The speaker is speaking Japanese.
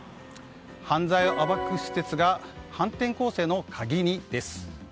犯罪を暴く施設が反転攻勢のカギに！？です。